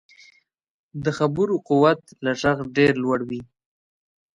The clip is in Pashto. د خبرو قوت له غږ ډېر لوړ وي